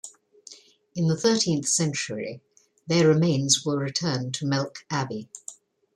In the thirteenth century, their remains were returned to Melk Abbey.